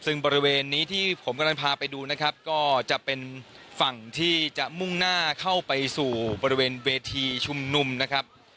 ซึ่งบริเวณนี้ที่ผมกำลังพาไปดูนะครับก็จะเป็นฝั่งที่จะมุ่งหน้าเข้าไปสู่บริเวณเวทีชุมนุมนะครับ